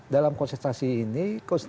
dalam konsentrasi ini